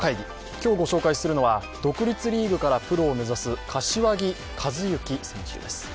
今日ご紹介するのは独立リーグからプロを目指す柏木寿志選手です。